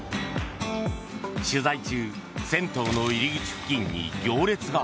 取材中銭湯の入り口付近に行列が。